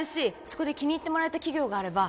そこで気に入ってもらえた企業があれば